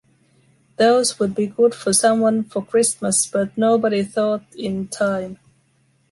Those would be good for someone for Christmas but nobody thought in time.